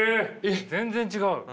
全然違う？